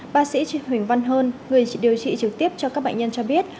bác sĩ huỳnh văn hơn người điều trị trực tiếp cho các bệnh nhân cho biết